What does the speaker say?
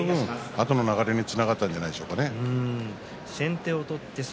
あとの流れにつながったんじゃないでしょうかね。